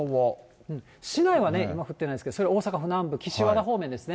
市内はね、今、降ってないですけど、それ、大阪南部、岸和田方面ですね。